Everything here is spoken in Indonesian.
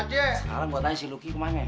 sekarang gue tanya si luki ke mana